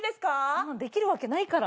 そんなんできるわけないから。